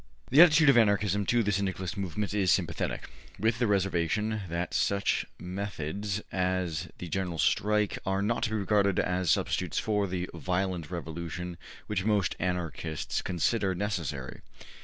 The attitude of Anarchism to the Syndicalist movement is sympathetic, with the reservation that such methods as the General Strike are not to be regarded as substitutes for the violent revolution which most Anarchists consider necessary.